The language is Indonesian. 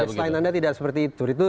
nah baseline anda tidak seperti itu